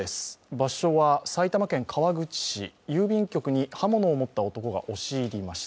場所は埼玉県川口市郵便局に刃物を持った男が押し入りました。